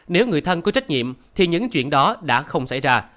nếu người thân có trách nhiệm thì những chuyện đó đã không xảy ra